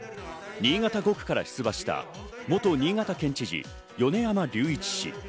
新潟５区から出馬した元新潟県知事・米山隆一氏。